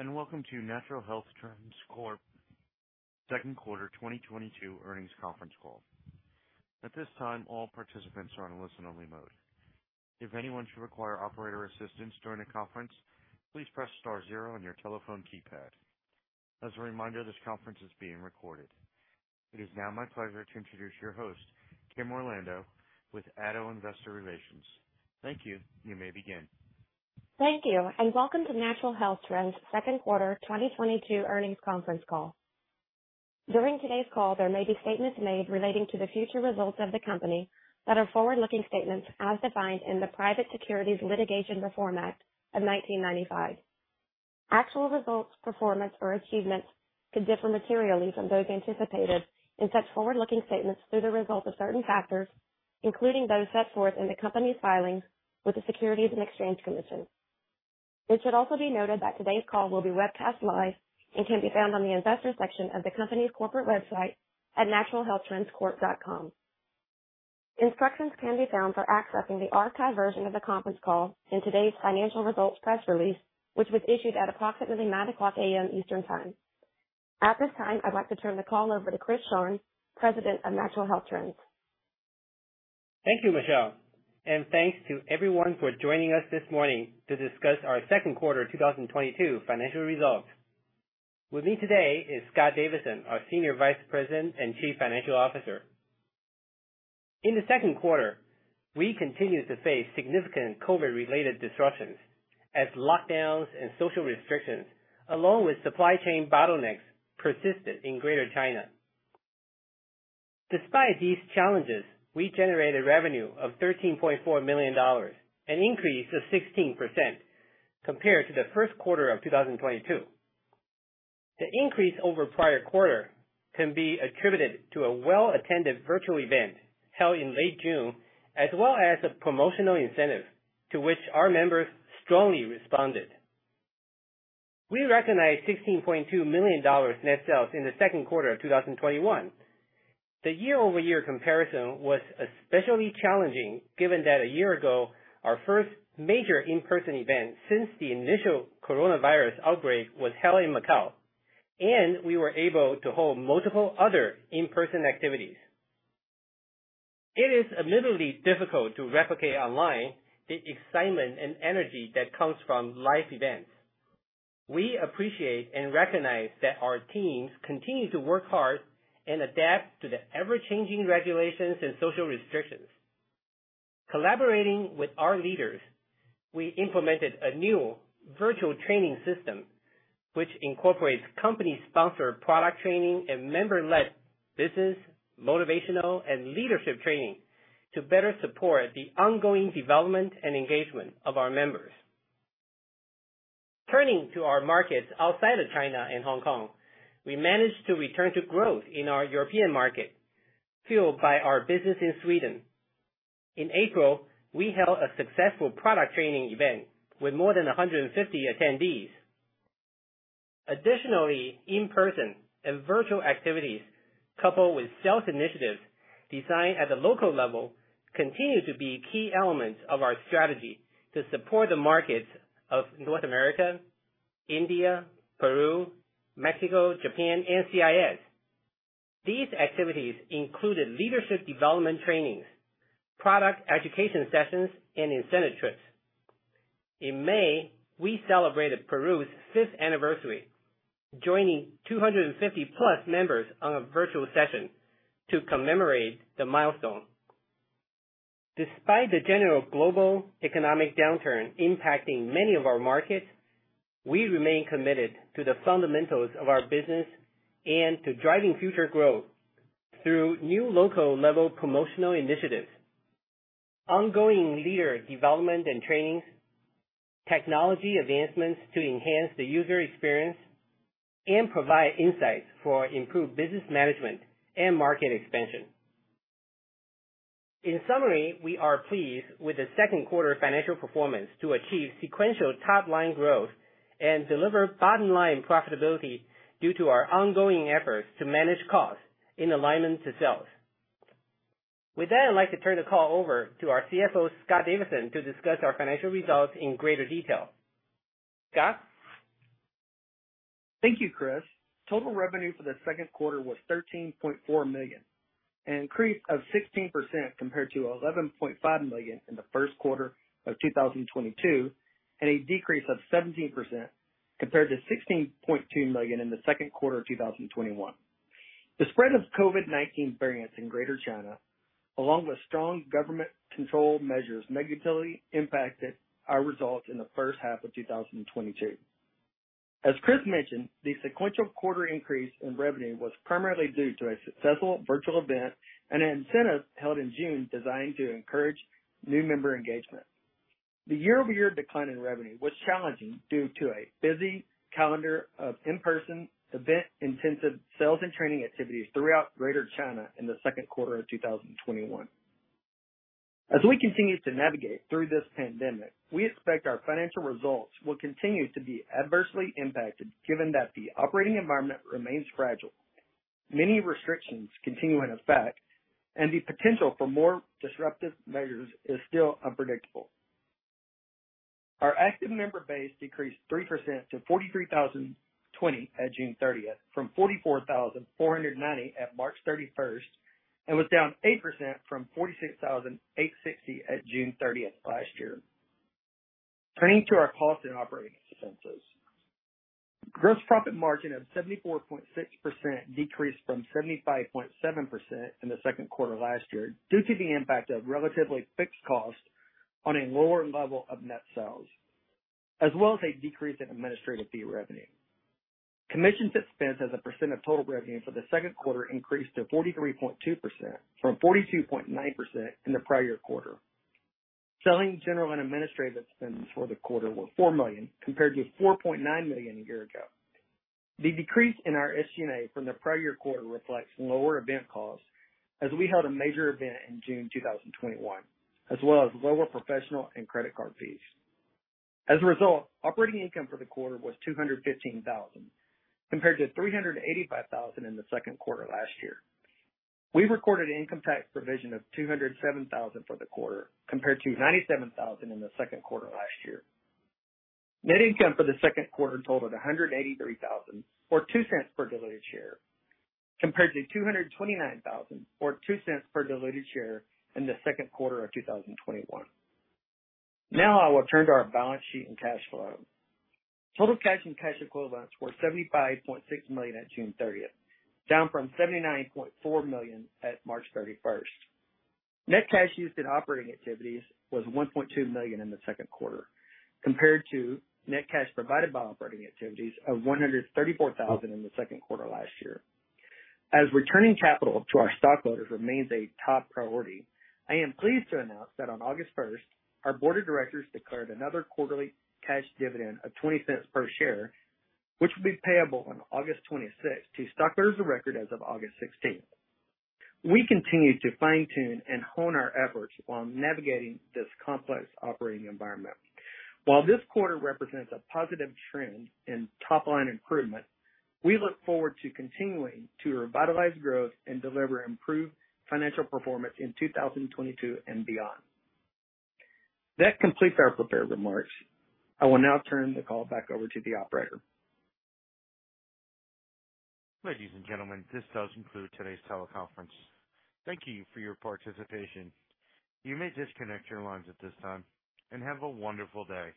Greetings, and welcome to Natural Health Trends Corp. second quarter 2022 earnings conference call. At this time, all participants are on a listen-only mode. If anyone should require operator assistance during the conference, please press star zero on your telephone keypad. As a reminder, this conference is being recorded. It is now my pleasure to introduce your host, Kimberly Orlando, with ADDO Investor Relations. Thank you. You may begin. Thank you, and welcome to Natural Health Trends second quarter 2022 earnings conference call. During today's call, there may be statements made relating to the future results of the company that are forward-looking statements as defined in the Private Securities Litigation Reform Act of 1995. Actual results, performance or achievements could differ materially from those anticipated, and such forward-looking statements may be the result of certain factors, including those set forth in the company's filings with the Securities and Exchange Commission. It should also be noted that today's call will be webcast live and can be found on the investors section of the company's corporate website at naturalhealthtrendscorp.com. Instructions can be found for accessing the archived version of the conference call in today's financial results press release, which was issued at approximately 9:00 A.M. Eastern Time. At this time, I'd like to turn the call over to Chris Sharng, President of Natural Health Trends. Thank you, Michelle, and thanks to everyone for joining us this morning to discuss our second quarter 2022 financial results. With me today is Scott Davidson, our Senior Vice President and Chief Financial Officer. In the second quarter, we continued to face significant COVID-related disruptions as lockdowns and social restrictions, along with supply chain bottlenecks, persisted in Greater China. Despite these challenges, we generated revenue of $13.4 million, an increase of 16% compared to the first quarter of 2022. The increase over prior quarter can be attributed to a well-attended virtual event held in late June, as well as a promotional incentive to which our members strongly responded. We recognized $16.2 million net sales in the second quarter of 2021. The year-over-year comparison was especially challenging, given that a year ago, our first major in-person event since the initial coronavirus outbreak was held in Macau, and we were able to hold multiple other in-person activities. It is admittedly difficult to replicate online the excitement and energy that comes from live events. We appreciate and recognize that our teams continue to work hard and adapt to the ever-changing regulations and social restrictions. Collaborating with our leaders, we implemented a new virtual training system which incorporates company-sponsored product training and member-led business, motivational and leadership training to better support the ongoing development and engagement of our members. Turning to our markets outside of China and Hong Kong, we managed to return to growth in our European market, fueled by our business in Sweden. In April, we held a successful product training event with more than 150 attendees. Additionally, in-person and virtual activities, coupled with sales initiatives designed at the local level, continue to be key elements of our strategy to support the markets of North America, India, Peru, Mexico, Japan, and CIS. These activities included leadership development trainings, product education sessions and incentive trips. In May, we celebrated Peru's fifth anniversary, joining 250+ members on a virtual session to commemorate the milestone. Despite the general global economic downturn impacting many of our markets, we remain committed to the fundamentals of our business and to driving future growth through new local-level promotional initiatives, ongoing leader development and trainings, technology advancements to enhance the user experience, and provide insights for improved business management and market expansion. In summary, we are pleased with the second quarter financial performance to achieve sequential top-line growth and deliver bottom-line profitability due to our ongoing efforts to manage costs in alignment to sales. With that, I'd like to turn the call over to our CFO, Scott Davidson, to discuss our financial results in greater detail. Scott? Thank you, Chris. Total revenue for the second quarter was $13.4 million, an increase of 16% compared to $11.5 million in the first quarter of 2022, and a decrease of 17% compared to $16.2 million in the second quarter of 2021. The spread of COVID-19 variants in Greater China, along with strong government control measures, negatively impacted our results in the H1 of 2022. As Chris mentioned, the sequential quarter increase in revenue was primarily due to a successful virtual event and an incentive held in June designed to encourage new member engagement. The year-over-year decline in revenue was challenging due to a busy calendar of in-person event-intensive sales and training activities throughout Greater China in the second quarter of 2021. As we continue to navigate through this pandemic, we expect our financial results will continue to be adversely impacted, given that the operating environment remains fragile. Many restrictions continue in effect, and the potential for more disruptive measures is still unpredictable. Our active member base decreased 3% to 43,020 at June 30, from 44,490 at March 31, and was down 8% from 46,860 at June 30 last year. Turning to our cost and operating expenses. Gross profit margin of 74.6% decreased from 75.7% in the second quarter last year due to the impact of relatively fixed cost on a lower level of net sales, as well as a decrease in administrative fee revenue. Commissions expense as a percent of total revenue for the second quarter increased to 43.2% from 42.9% in the prior quarter. Selling general and administrative expenses for the quarter were $4 million, compared to $4.9 million a year ago. The decrease in our SG&A from the prior year quarter reflects lower event costs as we held a major event in June 2021, as well as lower professional and credit card fees. As a result, operating income for the quarter was $215,000, compared to $385,000 in the second quarter last year. We recorded income tax provision of $207,000 for the quarter, compared to $97,000 in the second quarter last year. Net income for the second quarter totaled $183,000, or $0.02 per diluted share, compared to $229,000 or $0.02 per diluted share in the second quarter of 2021. Now I will turn to our balance sheet and cash flow. Total cash and cash equivalents were $75.6 million at June 30, down from $79.4 million at March 31. Net cash used in operating activities was $1.2 million in the second quarter, compared to net cash provided by operating activities of $134,000 in the second quarter last year. As returning capital to our stockholders remains a top priority, I am pleased to announce that on August 1st, our board of directors declared another quarterly cash dividend of $0.20 per share, which will be payable on August 26th to stockholders of record as of August 16th. We continue to fine-tune and hone our efforts while navigating this complex operating environment. While this quarter represents a positive trend in top line improvement, we look forward to continuing to revitalize growth and deliver improved financial performance in 2022 and beyond. That completes our prepared remarks. I will now turn the call back over to the operator. Ladies and gentlemen, this does conclude today's teleconference. Thank you for your participation. You may disconnect your lines at this time, and have a wonderful day.